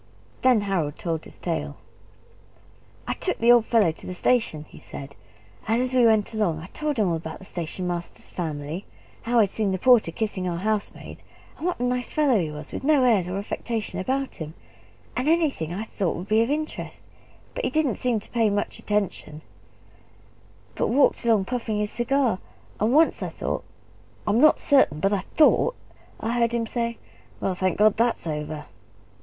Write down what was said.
Then Harold told his tale. "I took the old fellow to the station," he said, "and as we went along I told him all about the station master's family, and how I had seen the porter kissing our housemaid, and what a nice fellow he was, with no airs, or affectation about him, and anything I thought would be of interest; but he didn't seem to pay much attention, but walked along puffing his cigar, and once I thought I'm not certain, but I THOUGHT I heard him say, 'Well, thank God, that's over!'